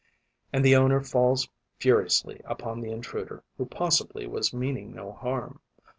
And the owner falls furiously upon the intruder, who possibly was meaning no harm.